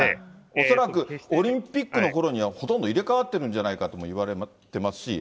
恐らくオリンピックのころには、ほとんど入れ代わってるんじゃないかともいわれてますし。